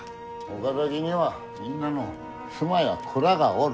岡崎にはみんなの妻や子らがおる。